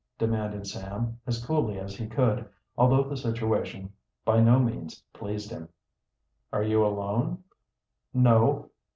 demanded Sam, as coolly as he could, although the situation by no means pleased him. "Are you alone?" "No."